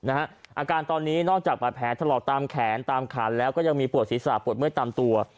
อาการตอนนี้นอกจากบาดแผลถลอกตามแขนตามขาแล้วก็ยังมีปวดศีรษะปวดเมื่อยตามตัว